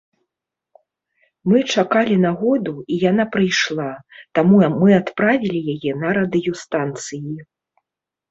Мы чакалі нагоду, і яна прыйшла, таму мы адправілі яе на радыёстанцыі.